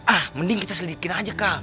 ah mending kita selidikin aja kal